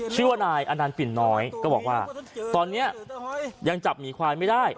ชื่อว่านายอนันต์ปิ่นน้อยก็บอกว่าตอนนี้ยังจับหมีควายไม่ได้